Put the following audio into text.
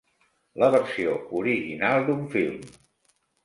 La versió original d'un film.